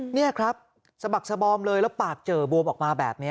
นี่ครับสะบักสบอมเลยแล้วปากเจอบวมออกมาแบบนี้